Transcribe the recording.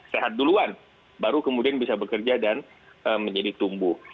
sehat duluan baru kemudian bisa bekerja dan menjadi tumbuh